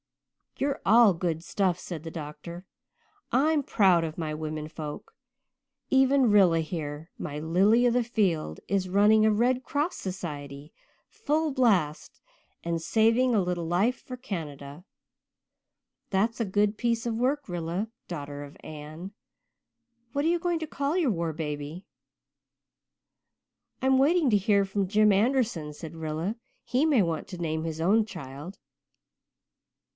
"You're all good stuff," said the doctor, "I'm proud of my women folk. Even Rilla here, my 'lily of the field,' is running a Red Cross Society full blast and saving a little life for Canada. That's a good piece of work. Rilla, daughter of Anne, what are you going to call your war baby?" "I'm waiting to hear from Jim Anderson," said Rilla. "He may want to name his own child."